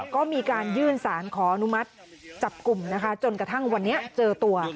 ก็มีการยื่นสารขออนุมัติจับกลุ่มนะคะจนกระทั่งวันนี้เจอตัว